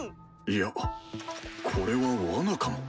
いやこれはわなかも。